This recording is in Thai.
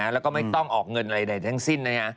แล้วก็ไม่ต้องออกเงินอะไรใดทั้งสิ้นนะฮะ